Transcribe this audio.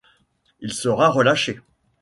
Il sera relâché.